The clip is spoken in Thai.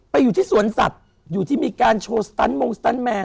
อยู่ที่สวนสัตว์อยู่ที่มีการโชว์สตันมงสตันแมน